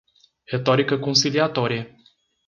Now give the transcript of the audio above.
Retórica conciliatória